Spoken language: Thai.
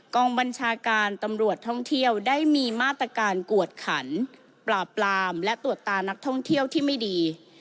กองบัญชาการตำรวจท่องเที่ยวได้มีมาตรการกวดขันปราบปรามและตรวจตานักท่องเที่ยวที่ไม่ดี